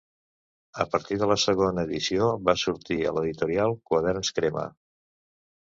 A partir de la segona edició va sortir a l’editorial Quaderns Crema.